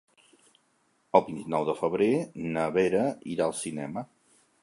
El vint-i-nou de febrer na Vera irà al cinema.